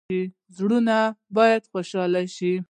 زړونه باید خوشحاله شي